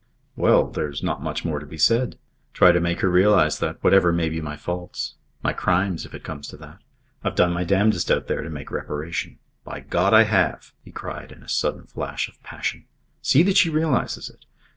"Well there's not much more to be said. Try to make her realise that, whatever may be my faults my crimes, if it comes to that I've done my damndest out there to make reparation. By God! I have," he cried, in a sudden flash of passion. "See that she realises it.